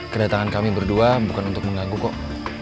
kedatangan kami berdua bukan untuk mengganggu kok